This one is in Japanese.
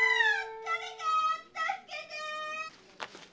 誰か助けて！